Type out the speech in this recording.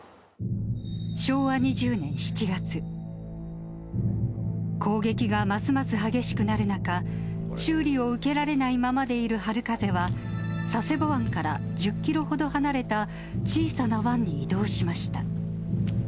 昭和２０年７月、攻撃がますます激しくなる中、修理を受けられないままでいる春風は、佐世保湾から１０キロほど離れた小さな湾に移動しました。